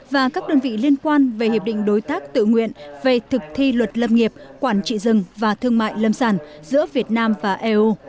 và các đơn vị liên quan về hiệp định đối tác tự nguyện về thực thi luật lâm nghiệp quản trị rừng và thương mại lâm sản giữa việt nam và eu